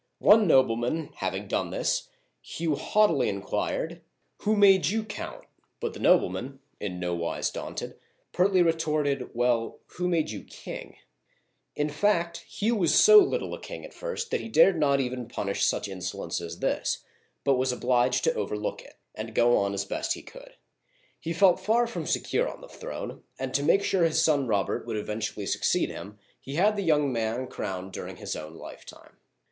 One nobleman having done this, Hugh haughtily inquired, " Who made you count ?" But the nobleman, in nowise daunted, pertly retorted, " Well, who made you king ?" Digitized by Google lOO OLD FRANCE In fact, Hugh was so little a king at first that he dared not even punish such insolence as this, but was obliged to overlook it, and go on as best he could. He felt far from secure on the throne, and to make sure his son Robert would eventually succeed him, he had the young man crowned during his owji lifetime.